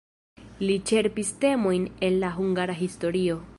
Li ĉerpis temojn el la hungara historio.